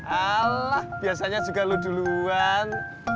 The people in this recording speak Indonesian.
alah biasanya juga lo duluan